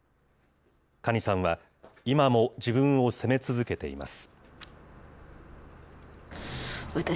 可児さんは、今も自分を責め続けています。